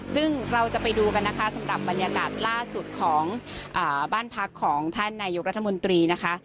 ซึ่งเราจะไปดูกันนะคะสำหรับบรรยากาศล่าสุดของบ้านพักของท่านนายกรัฐมนตรีนะคะ